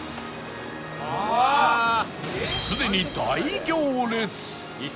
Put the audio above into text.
すでに大行列！